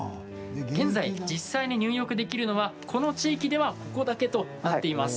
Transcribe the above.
現在、実際に入浴できるのはこの地域ではここだけとなっています。